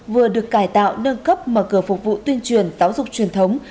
vừa được cải tạo nâng cấp mở cửa phục vụ tuyên truyền giáo dục truyền thống